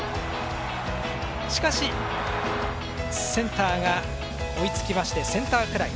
しかしセンターが追いつきましてセンターフライ。